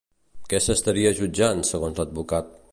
Què s'estaria jutjant, segons l'advocat?